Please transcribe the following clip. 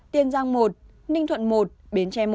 tiên giang một ninh thuận một bến tre một